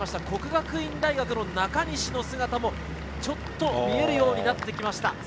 國學院大學の中西の姿もちょっと見えるようになってきました。